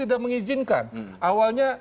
tidak mengizinkan awalnya